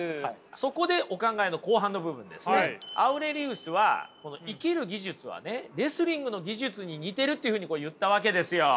そこでお考えの後半の部分ですねアウレリウスは生きる技術はレスリングの技術に似ているっていうふうに言ったわけですよ。